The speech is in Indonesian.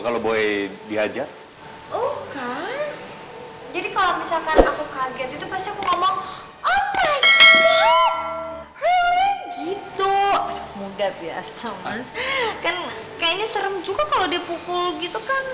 kayaknya serem juga kalau dia pukul gitu kan